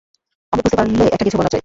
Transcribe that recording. অমিত বুঝতে পারলে, একটা-কিছু বলাই চাই।